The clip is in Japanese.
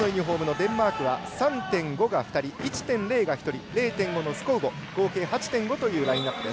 デンマークは３．５が２人、１．０が１人０．５のスコウボ合計８．５というラインアップ。